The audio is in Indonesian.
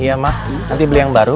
iya mah nanti beli yang baru